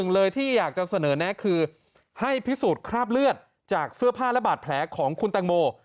เลยที่อยากจะเสนอแนะคือให้พิสูจน์คราบเลือดจากเสื้อผ้าและบาดแผลของคุณแตงโม